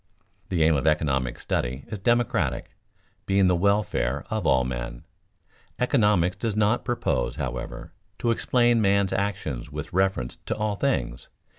The aim of economic study is democratic, being the welfare of all men. Economics does not purpose, however, to explain man's action with reference to all things.